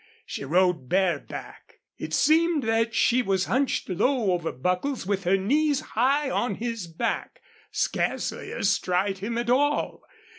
She rode bareback. It seemed that she was hunched low over Buckles with her knees high on his back scarcely astride him at all.